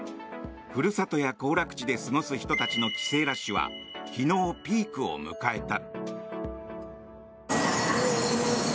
ふるさとや行楽地で過ごす人たちの帰省ラッシュは昨日、ピークを迎えた。